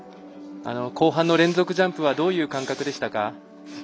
後半の連続ジャンプはどういう感覚でしたか。